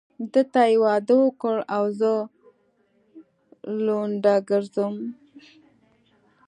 ده ته يې واده وکړ او زه لونډه ګرځم.